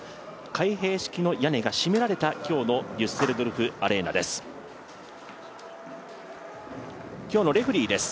開閉式の屋根が閉められた今日のデュッセルドルフ・アレーナです。